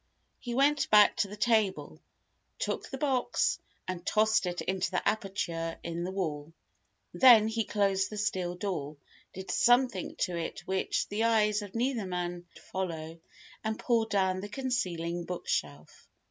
He went back to the table, took the box, and tossed it into the aperture in the wall. Then he closed the steel door, did something to it which the eyes of neither man could follow, and pulled down the concealing bookshelf.